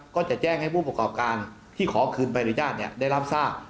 ก็จะแจ้งให้ผู้ประกอบการที่ขอคืนใบอนุญาตได้รับทราบ